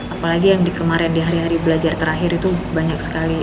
apalagi yang kemarin di hari hari belajar terakhir itu banyak sekali